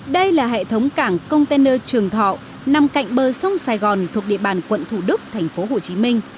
đây là hệ thống cảng container trường thọ nằm cạnh bờ sông sài gòn thuộc địa bàn quận thủ đức tp hcm